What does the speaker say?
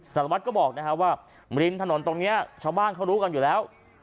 สารวัตรก็บอกนะครับว่าริมถนนตรงนี้ชาวบ้านเขารู้กันอยู่แล้ว